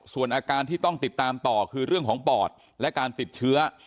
ส่วนอาการที่ต้องติดตามต่อคือเรื่องของปอดและการติดเชื้อ